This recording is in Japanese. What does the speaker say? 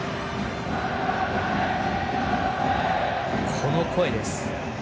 この声です。